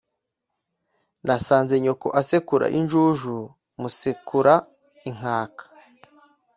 nasanze nyoko asekura injuju musekura in kaka